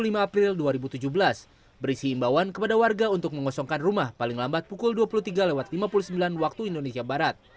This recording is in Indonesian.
pt kai juga berperman pada juli dua ribu tujuh belas berisi imbauan kepada warga untuk mengosongkan rumah paling lambat pukul dua puluh tiga lima puluh sembilan wib